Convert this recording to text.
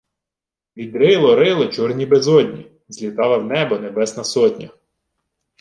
Відрило рило чорні безодні, злітала в небо Небесна Сотня.